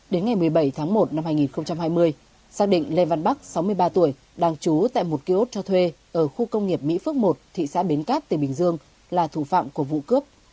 đến ngày một mươi bảy tháng một năm hai nghìn hai mươi xác định lê văn bắc sáu mươi ba tuổi đang trú tại một kiosk cho thuê ở khu công nghiệp mỹ phước một thị xã bến cát tỉnh bình dương là thủ phạm của vụ cướp